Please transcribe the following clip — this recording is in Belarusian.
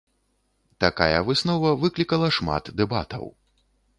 Такая выснова выклікала шмат дэбатаў.